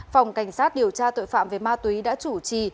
phòng cảnh sát điều tra tội phạm về ma túy đã chủ trì